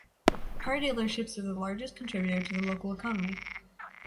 Car dealerships are the largest contributor to the local economy.